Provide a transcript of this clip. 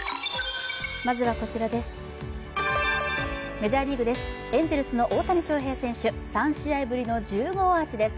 メジャーリーグです、エンゼルスの大谷翔平選手、３試合ぶりの１０号アーチです。